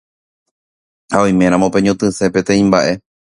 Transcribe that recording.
Ha oiméramo peñotỹse peteĩ mba'e